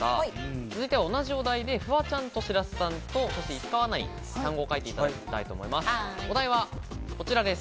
続いては同じお題でフワちゃんと、白洲さんと、石川アナに単語を書いていただきます。